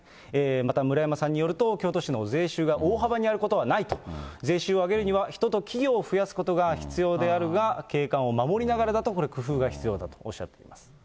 また村山さんによると、京都市の税収が大幅に上がることはないと、税収を上げるには、人と企業を増やすことが必要であるが、景観を守りながらだと、これ、工夫が必要だとおっしゃっています。